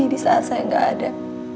di saat saya nggak ada